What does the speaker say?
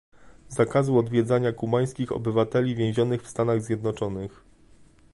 zakazu odwiedzania kubańskich obywateli więzionych w Stanach Zjednoczonych